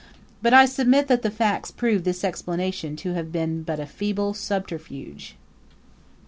But I submit that the facts prove this explanation to have been but a feeble subterfuge.